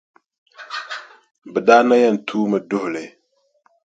Bɛ daa na yɛn tuumi duhi li.